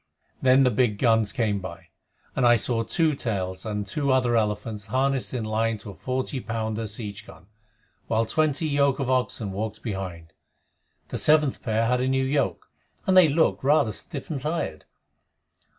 Then the big guns came by, and I saw Two Tails and two other elephants harnessed in line to a forty pounder siege gun, while twenty yoke of oxen walked behind. The seventh pair had a new yoke, and they looked rather stiff and tired.